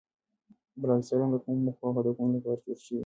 بالا حصارونه د کومو موخو او هدفونو لپاره جوړ شوي.